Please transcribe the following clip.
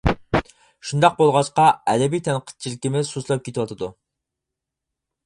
شۇنداق بولغاچقا، ئەدەبىي تەنقىدچىلىكىمىز سۇسلاپ كېتىۋاتىدۇ.